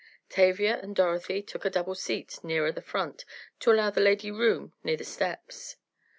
Tavia and Dorothy took a double seat nearer the front, to allow the lady room near the steps.